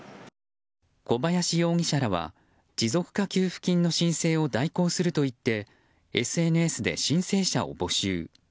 小林容疑者らは持続化給付金の申請を代行すると言ってＳＮＳで申請者を募集。